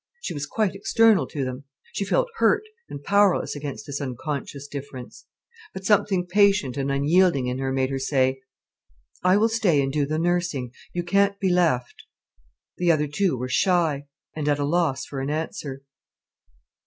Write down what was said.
She was quite external to them. She felt hurt and powerless against this unconscious difference. But something patient and unyielding in her made her say: "I will stay and do the nursing: you can't be left." The other two were shy, and at a loss for an answer.